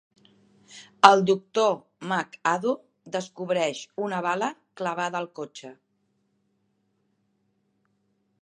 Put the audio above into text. El doctor McAdoo descobreix una bala clavada al cotxe.